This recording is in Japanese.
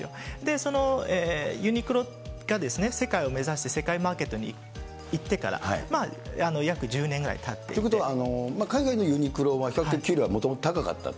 そのユニクロが世界を目指して、世界マーケットに行ってから、約１０年ぐらいたっていて。ということは、海外のユニクロは比較的もともと給料は高かった？